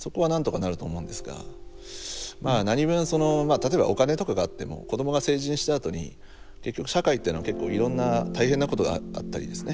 例えばお金とかがあっても子どもが成人したあとに結局社会というのは結構いろんな大変なことがあったりですね